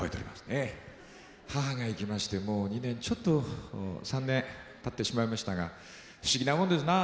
母が逝きましてもう２年ちょっと３年たってしまいましたが不思議なもんですな。